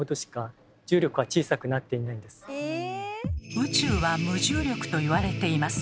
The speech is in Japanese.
宇宙は無重力と言われています。